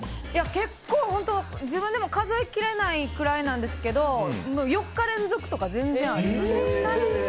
結構、自分でも数えきれないぐらいですが４日連続とか全然あります。